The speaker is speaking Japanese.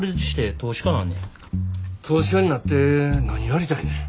投資家になって何やりたいねん。